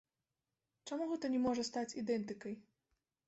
Чаму гэта не можа стаць ідэнтыкай.